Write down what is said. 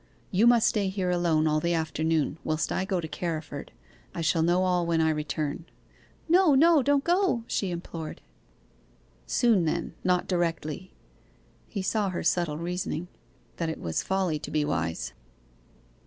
You must stay here alone all the afternoon whilst I go to Carriford. I shall know all when I return.' 'No, no, don't go!' she implored. 'Soon, then, not directly.' He saw her subtle reasoning that it was folly to be wise.